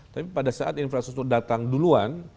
tapi pada saat infrastruktur datang duluan